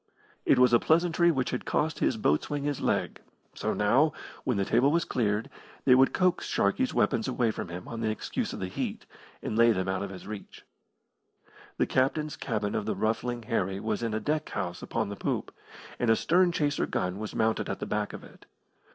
It was a pleasantry which had cost his boatswain his leg, so now, when the table was cleared, they would coax Sharkey's weapons away from him on the excuse of the heat, and lay them out of his reach. The captain's cabin of the Ruffling Harry was in a deck house upon the poop, and a stern chaser gun was mounted at the back of it.